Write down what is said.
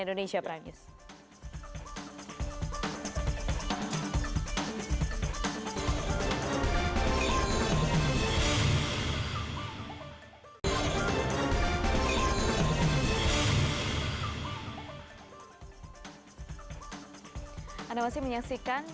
ditarik kemana mana gitu kan